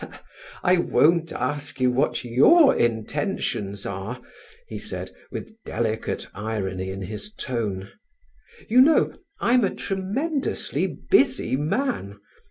"I won't ask you what your intentions are," he said, with delicate irony in his tone. "You know, I am a tremendously busy man.